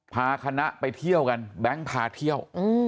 พาคณะไปเที่ยวกันแบงค์พาเที่ยว